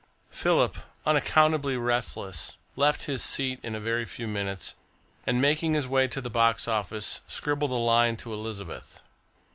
Philip, unaccountably restless, left his seat in a very few minutes, and, making his way to the box office, scribbled a line to Elizabeth.